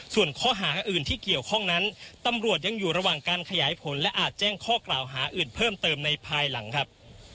ส่วนข้อหาอื่นที่เกี่ยวข้องนั้นตำรวจยังอยู่ระหว่างการขยายผลและอาจแจ้งข้อกล่าวหาอื่นเพิ่มเติมในภายหลังครับ